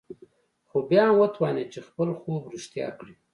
خو بيا هم وتوانېد چې خپل خوب رښتيا کړي.